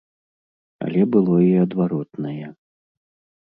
Але было і адваротнае.